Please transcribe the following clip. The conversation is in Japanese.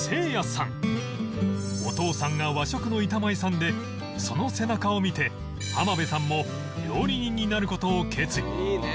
お父さんが和食の板前さんでその背中を見て濱邊さんも料理人になる事を決意